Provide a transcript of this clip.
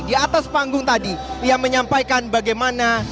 di atas panggung tadi ia menyampaikan bagaimana